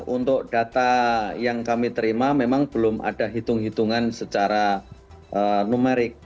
untuk data yang kami terima memang belum ada hitung hitungan secara numerik